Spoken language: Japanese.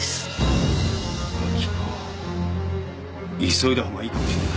急いだ方がいいかもしれない。